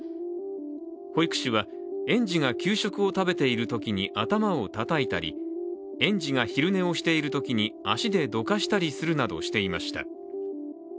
保育士は園児が給食を食べているときに頭をたたいたり、園児が昼寝をしているときに足でどかしたりするなどしていました。